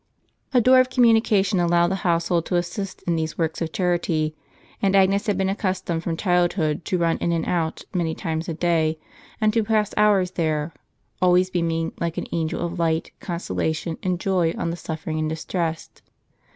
A door of communication allowed the household to assist in these works of charity ; and Agnes had been accustomed from childhood to run in and out, many times a day, and to pass hours there; always beaming, like an angel of light, consolation and joy on the suffering and distressed.